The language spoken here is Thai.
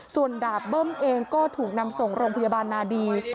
ส่วนดาบเบิ้มเองก็ถูกนำส่งโรงพยาบาลนาดี